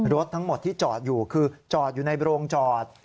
รถทั้งหมดที่จอดอยู่คือจอดอยู่ในโรงจอด